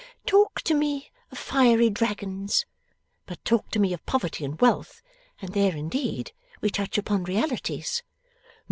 'Talk to me of fiery dragons! But talk to me of poverty and wealth, and there indeed we touch upon realities.